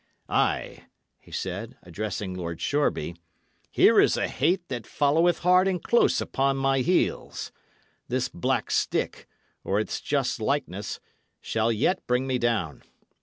"Ay," he said, addressing Lord Shoreby, "here is a hate that followeth hard and close upon my heels. This black stick, or its just likeness, shall yet bring me down.